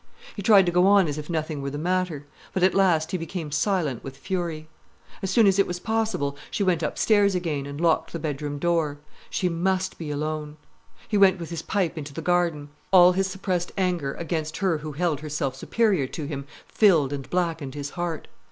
He tried to go on as if nothing were the matter. But at last he became silent with fury. As soon as it was possible, she went upstairs again, and locked the bedroom door. She must be alone. He went with his pipe into the garden. All his suppressed anger against her who held herself superior to him filled and blackened his heart.